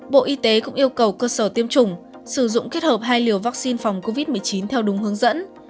bộ y tế cũng yêu cầu cơ sở tiêm chủng sử dụng kết hợp hai liều vaccine phòng covid một mươi chín theo đúng hướng dẫn